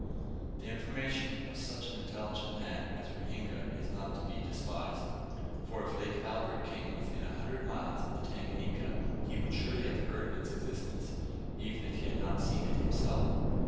The information of such an intelligent man as Ruhinga is not to be despised; for, if Lake Albert came within a hundred miles of the Tanganika, he would surely have heard of its existence, even if he had not seen it himself.